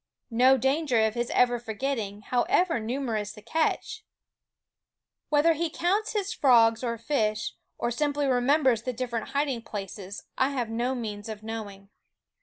No danger of his ever forget ting, however numerous the catch ! Whether he counts his frogs and fish, or simply remem bers the different hiding places, I have no means of knowing.